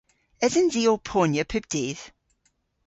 Esens i ow ponya pub dydh?